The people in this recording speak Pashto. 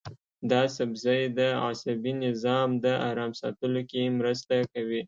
دا سبزی د عصبي نظام د ارام ساتلو کې مرسته کوي.